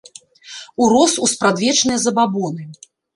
Урос у спрадвечныя забабоны.